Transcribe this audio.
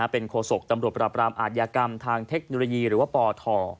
เป็นโฆษกตำรวจปราบรามอาทยากรรมทางเทคโนโลยีหรือว่าปท